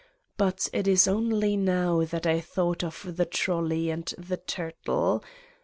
But it is only now that I thought of the trolley and the turtle.